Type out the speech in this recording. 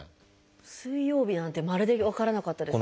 「水曜日」なんてまるで分からなかったですね。